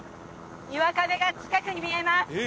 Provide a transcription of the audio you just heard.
岩壁が近くに見えます